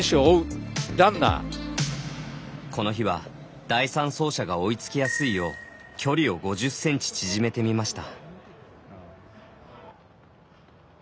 この日は第３走者が追いつきやすいよう距離を５０ｃｍ縮めてみました。